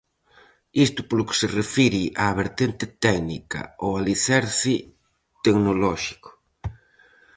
Isto polo que se refire á vertente técnica, ao alicerce tecnolóxico.